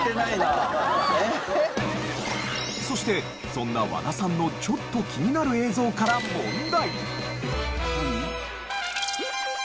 そしてそんな和田さんのちょっと気になる映像から問題。